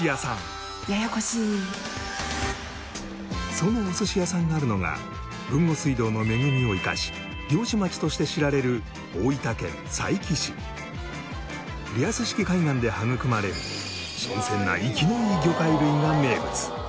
そのお寿司屋さんがあるのが豊後水道の恵みを生かし漁師町として知られるリアス式海岸で育まれる新鮮な生きのいい魚介類が名物。